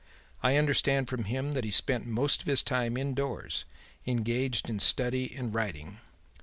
I understood from him that he spent most of his time indoors engaged in study and writing.